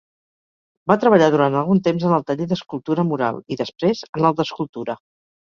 Va treballar durant algun temps en el taller d'escultura mural i, després, en el d'escultura.